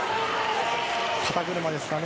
肩車ですかね。